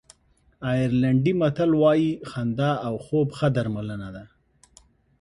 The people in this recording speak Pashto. آیرلېنډي متل وایي خندا او خوب ښه درملنه ده.